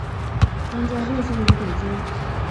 关嘉禄生于北京。